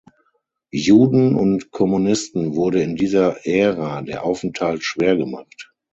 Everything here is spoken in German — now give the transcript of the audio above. Juden und Kommunisten wurde in dieser Ära der Aufenthalt schwer gemacht.